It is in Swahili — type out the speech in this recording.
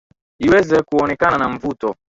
iweze kuonekana na mvuto